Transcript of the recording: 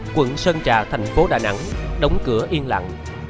quận sơn trà thành phố đà nẵng đóng cửa yên lặng